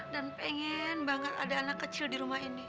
dan pengen banget ada anak kecil di rumah ini